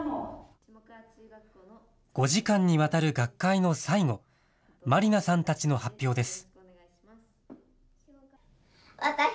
５時間にわたる学会の最後、まりなさんたちの発表です。